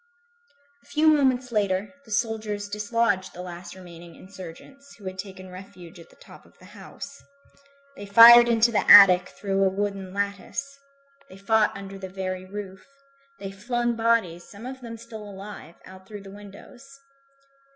A few moments later, the soldiers dislodged the last remaining insurgents, who had taken refuge at the top of the house. They fired into the attic through a wooden lattice. They fought under the very roof. They flung bodies, some of them still alive, out through the windows.